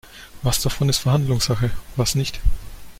Was davon ist Verhandlungssache, was nicht?